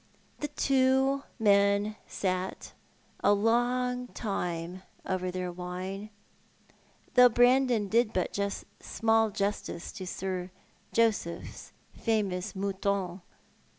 The two men sat a long time over their wine, though Brandon did but small justice to Sir Joseph's famous Mouton.